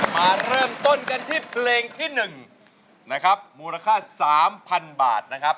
มาเริ่มต้นกันที่เพลงที่๑นะครับมูลค่า๓๐๐๐บาทนะครับ